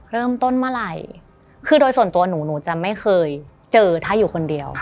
เริ่มต้นเมื่อไหร่คือโดยส่วนตัวหนูหนูจะไม่เคยเจอถ้าอยู่คนเดียว